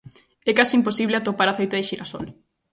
É case imposible atopar aceite de xirasol.